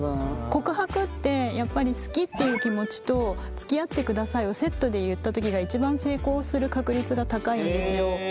告白ってやっぱり好きっていう気持ちとつきあってくださいをセットで言った時が一番成功する確率が高いんですよ。